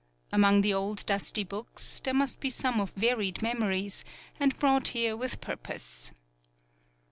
Among the old dusty books there must be some of varied memories and brought here with purpose.